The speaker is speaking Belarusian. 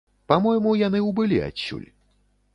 Па-мойму, яны ўбылі адсюль.